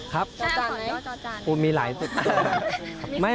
จอจานหรือไหนจอจาน